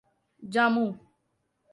جامو